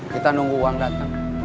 kita nunggu uang datang